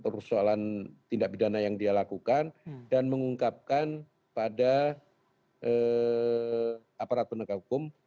persoalan tindak pidana yang dia lakukan dan mengungkapkan pada aparat penegak hukum